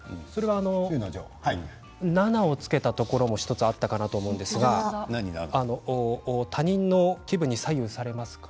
７をつけたところが１つあったと思うんですが他人の気分に左右されますか？